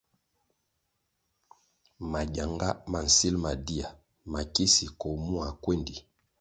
Mangyanga ma nsil ma dia makisi koh mua kwéndi.